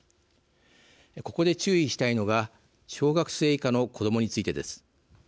ここで注意したいのが小学生以下の子どもについてです。